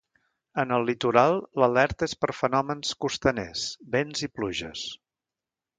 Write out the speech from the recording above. En el litoral l’alerta és per fenòmens costaners, vents i pluges.